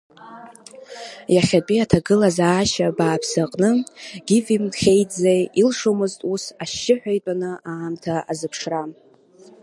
Иахьатәи аҭагылазаашьа бааԥсы аҟны, Гиви Мхеиӡе илшомызт ус ашьшьыҳәа итәаны аамҭа азыԥшра.